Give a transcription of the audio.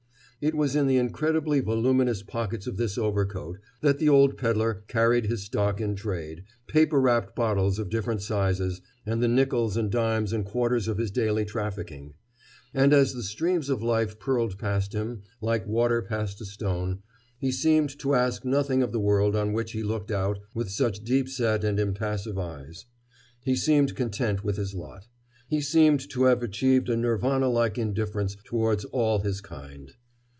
It was in the incredibly voluminous pockets of this overcoat that the old peddler carried his stock in trade, paper wrapped bottles of different sizes, and the nickels and dimes and quarters of his daily trafficking. And as the streams of life purled past him, like water past a stone, he seemed to ask nothing of the world on which he looked out with such deep set and impassive eyes. He seemed content with his lot. He seemed to have achieved a Nirvana like indifferency towards all his kind.